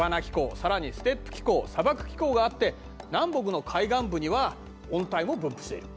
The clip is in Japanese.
さらにステップ気候砂漠気候があって南北の海岸部には温帯も分布している。